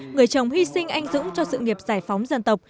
người chồng hy sinh anh dũng cho sự nghiệp giải phóng dân tộc